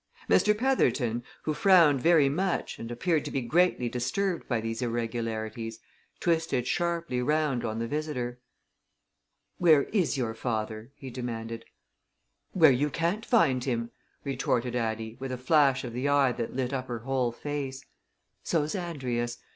Mr. Petherton, who frowned very much and appeared to be greatly disturbed by these irregularities, twisted sharply round on the visitor. "Where is your father?" he demanded. "Where you can't find him!" retorted Addie, with a flash of the eye that lit up her whole face. "So's Andrius.